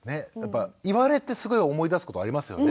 言われてすごい思い出すことありますよね。